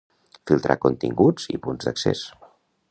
Filtrar continguts i punts d'accés.